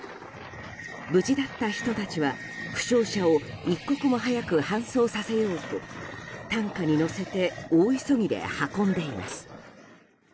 無事だった人たちは負傷者を一刻も早く搬送させようと担架に乗せて大急ぎで運んでいます。